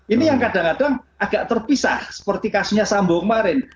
ini yang kadang kadang agak terpisah seperti kasusnya sambo kemarin